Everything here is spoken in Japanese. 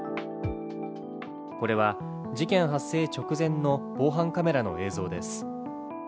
これは事件発生直前の防犯カメラの映像です。